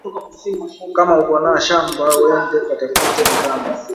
Kama uko na shamba wende katafute mikanda